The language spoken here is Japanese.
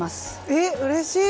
えっうれしい！